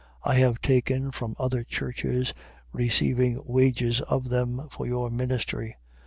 11:8. I have taken from other churches, receiving wages of them for your ministry.